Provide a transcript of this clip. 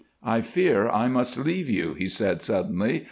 "'I fear I must leave you,' he said, suddenly.